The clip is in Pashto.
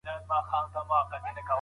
د هغوی اولادونو ته ضرر نه رسيږي.